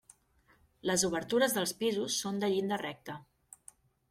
Les obertures dels pisos són de llinda recta.